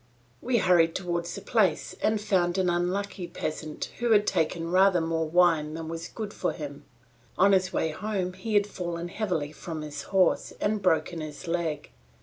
We hurried towards the place and found an unlucky peasant who had taken rather more wine than was good for him; on his way home he had fallen heavily from his horse and broken his leg.